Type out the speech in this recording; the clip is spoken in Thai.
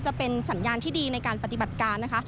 จะเป็นสัญญาณที่ดีในการปฏิบัติการนะคะ